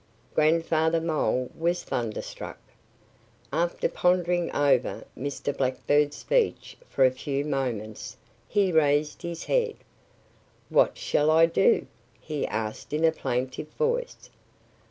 Grandfather Mole was thunderstruck. After pondering over Mr. Blackbird's speech for a few moments he raised his head. "What shall I do?" he asked in a plaintive voice.